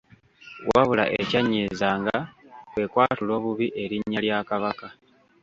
Wabula ekyannyiizanga kwe kwatula obubi erinnya lya Kabaka.